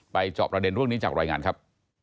จอบประเด็นเรื่องนี้จากรายงานครับ